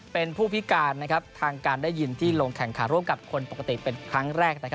เป็นผู้พิการทางการได้ยินที่ลงแข่งขันร่วมกับคนปกติเป็นครั้งแรก